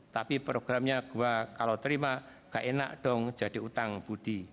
tapi programnya gue kalau terima gak enak dong jadi utang budi